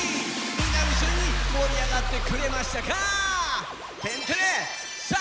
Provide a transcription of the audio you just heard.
みんなもいっしょに盛り上がってくれましたか？